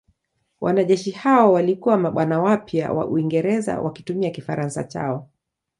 Wanajeshi hao walikuwa mabwana wapya wa Uingereza wakitumia Kifaransa chao.